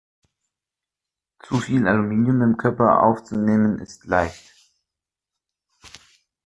Zu viel Aluminium im Körper aufzunehmen, ist leicht.